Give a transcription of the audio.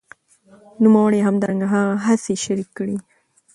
نوموړي همدرانګه هغه هڅي شریکي کړې